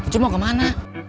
cuk mau ke mana